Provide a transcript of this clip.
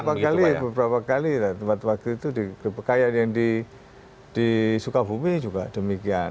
beberapa kali beberapa kali waktu itu di grebekaya yang di sukabumi juga demikian